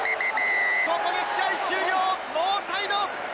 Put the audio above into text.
ここで試合終了、ノーサイド。